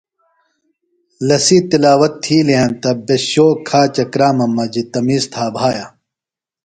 لسی تِلاوت تھیلیۡ ہنتہ بے شو ، کھاچہ کرامم مجیۡ تمیز تھائی بھایہ۔